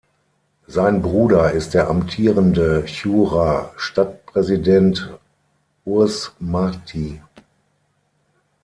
Sein Bruder ist der amtierende Churer Stadtpräsident Urs Marti.